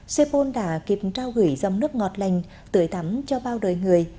sepol đã kịp trao gửi dòng nước ngọt lành tưới thắm cho bao đời người